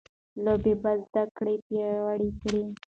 لوبې به زده کړه پیاوړې کړي.